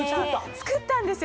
作ったんですよ！